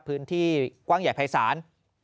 พื้นที่กว้างใหญ่ภายศาล